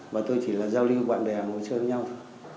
và tôi chỉ là giao lưu bạn bè ngồi chơi với nhau thôi